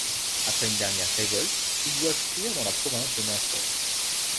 Après une dernière révolte, ils doivent fuir dans la province de Munster.